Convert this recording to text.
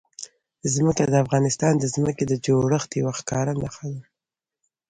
ځمکه د افغانستان د ځمکې د جوړښت یوه ښکاره نښه ده.